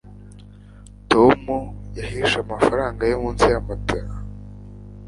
tom yahishe amafaranga ye munsi ya matelas